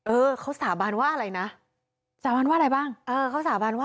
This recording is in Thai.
เออเขาสาบานว่าอะไรนะสาบานว่าอะไรบ้าง